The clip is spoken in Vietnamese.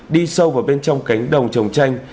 đi sâu vào bên trong cánh đồng trồng chanh